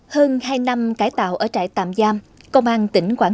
hưng hai mươi năm năm